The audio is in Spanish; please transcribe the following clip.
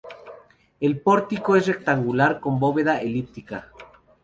El pórtico es rectangular con bóveda elíptica.